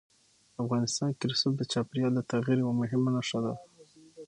افغانستان کې رسوب د چاپېریال د تغیر یوه مهمه نښه ده.